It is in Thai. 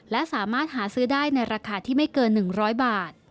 และสามารถหาซื้อได้ในราคาที่ไม่เกิน๑๐๐บาท